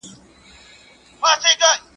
د هوښيار سړي غبرگ غاښونه وزي.